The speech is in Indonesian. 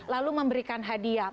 lalu memberikan hadiah